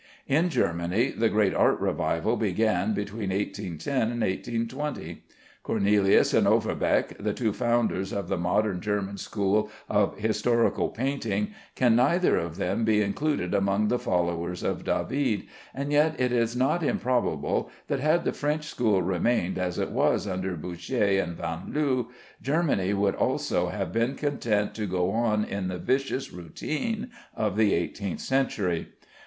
In Germany the great art revival began between 1810 and 1820. Cornelius and Overbeck, the two founders of the modern German school of historical painting, can neither of them be included among the followers of David, and yet it is not improbable that had the French school remained as it was under Boucher and Vanloo, Germany would also have been content to go on in the vicious routine of the eighteenth century.